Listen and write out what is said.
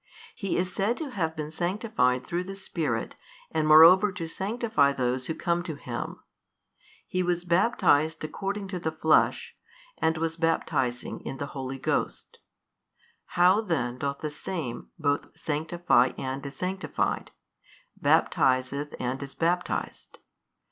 He is said to have been sanctified through the Spirit and moreover to sanctify 39 those who come to Him; He was baptized according to the Flesh and was baptizing in the Holy Ghost; how then doth the Same both sanctify and is sanctified, baptizeth and is baptized?